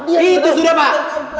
itu sudah pak